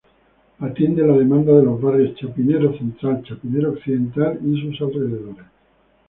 Atiende la demanda de los barrios Chapinero Central, Chapinero Occidental y sus alrededores.